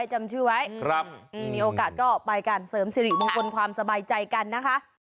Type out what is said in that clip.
จำชื่อไว้มีโอกาสก็ไปกันเสริมสิริมงคลความสบายใจกันนะคะ